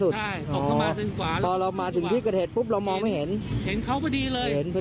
รู้สึกยังไงบ้างครับนายเฮียตอนนี้